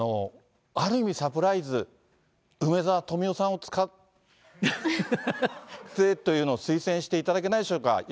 ある意味、サプライズ、梅沢富美男さんを使ってっていうのを推薦していただけないでしょうか。